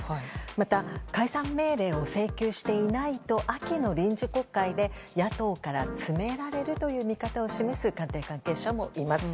また解散命令を請求していないと秋の臨時国会で野党から詰められるという見方を示す官邸関係者もいます。